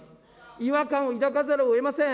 違和感を抱かざるをえません。